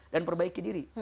dan perbaiki diri